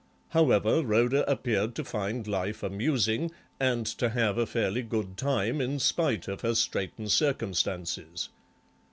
However, Rhoda appeared to find life amusing and to have a fairly good time in spite of her straitened circumstances.